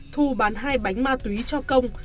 thu bán hai bánh ma túy cho công